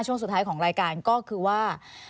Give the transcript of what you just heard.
ช่วงสุดท้ายของรายการก็คือว่า